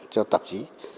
cho tạp chí